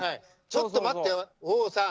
ちょっと待って豊豊さん。